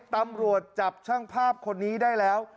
ตำรวจจับช่างภาพคนนี้ได้แล้ว